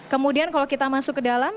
kemudian kalau kita masuk ke dalam